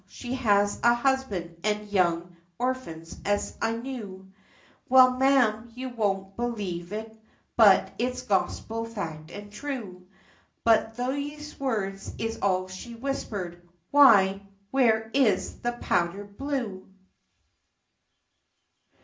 she has a husband and young orphans, as I knew; Well, Ma'am, you won't believe it, but it's Gospel fact and true, But these words is all she whispered 'Why, where is the powder blew?'"